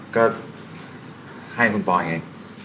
ก็ให้คุณพ่อไง